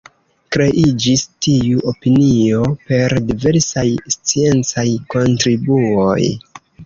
Kreiĝis tiu opinio per diversaj sciencaj kontribuoj.